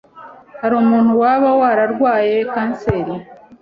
hari umuntu waba wararwaye kanseri